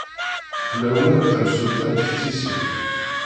Tella ula d tamsulta n teftisin.